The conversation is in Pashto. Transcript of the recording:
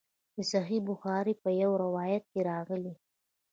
د صحیح بخاري په یوه روایت کې راغلي.